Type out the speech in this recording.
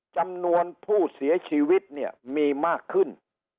จำนวนผู้เสียชีวิตเนี่ยมีมากขึ้น